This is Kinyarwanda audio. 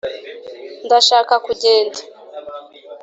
Ndashaka kugenda